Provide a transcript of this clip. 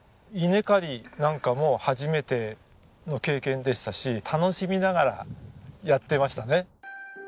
稲刈りなんかも初めての経験でしたし楽しみながらやってましたね。